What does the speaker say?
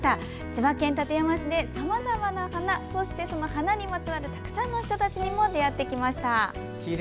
千葉県館山市でさまざまな花、そしてたくさんの人たちと出会ってきました。